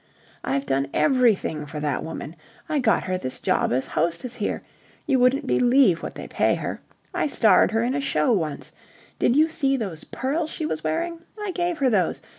I've done everything for that woman. I got her this job as hostess here you wouldn't believe what they pay her. I starred her in a show once. Did you see those pearls she was wearing? I gave her those.